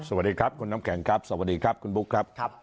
สวัสดีครับคุณน้ำแข็งครับสวัสดีครับคุณบุ๊คครับ